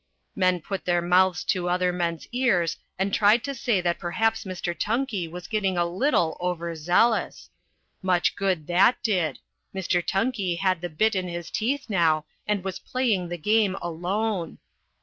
Men put their mouths to other men's ears and tried to say that perhaps Mr. Tunkey was getting a little overzealous. Much good that did! Mr. Tunkey had the bit in his teeth now and was playing the game alone.